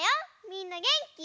みんなげんき？